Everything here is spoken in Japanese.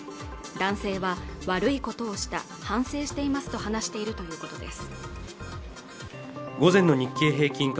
男性は悪いことをした反省していますと話しているということです